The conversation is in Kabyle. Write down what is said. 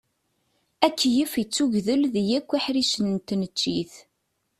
Akeyyef ittugdel di yakk iḥricen n tneččit.